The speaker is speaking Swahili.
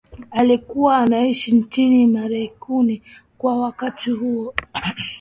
alikuwa anaishi nchini Kameruni kwa wakati huo